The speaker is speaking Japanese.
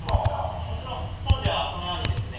もちろん当時はこのようにですね